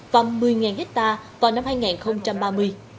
và một mươi hectare vào năm hai nghìn ba mươi